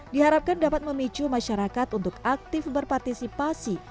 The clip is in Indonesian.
diharapkan dapat memicu masyarakat untuk aktif berpartisipasi